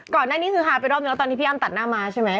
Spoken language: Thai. ก่อนหน้านี้คือฮาไปรอบนึงแล้วตอนที่พี่อ้ำตัดหน้าม้าใช่ไหม